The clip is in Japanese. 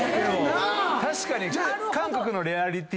確かに。